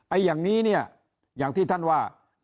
อย่างนี้เนี่ยอย่างที่ท่านว่า